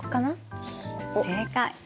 よし正解。